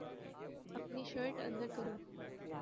اپنی شرٹ اندر کرو